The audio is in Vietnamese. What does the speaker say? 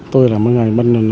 tôi là một người vây mượn